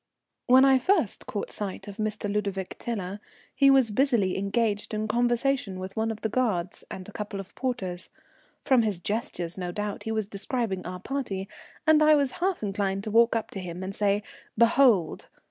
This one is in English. When I first caught sight of Mr. Ludovic Tiler he was busily engaged in conversation with one of the guards and a couple of porters. From his gestures, no doubt, he was describing our party, and I was half inclined to walk up to him and say "Behold!"